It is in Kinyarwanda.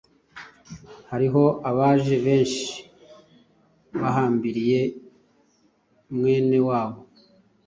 Hariho abaje benshi bahambiriye mwene wabo